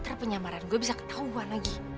terpenyamaran gue bisa ketauan lagi